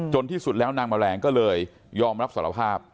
ที่สุดแล้วนางแมลงก็เลยยอมรับสารภาพ